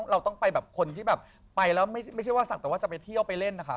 เราต้องไปกัน